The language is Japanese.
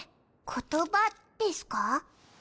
言葉ですか？